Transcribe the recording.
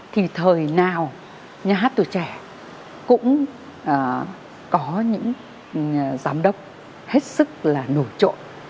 thì thời nào nhà hát tuổi trẻ cũng có những giám đốc hết sức là nổi trội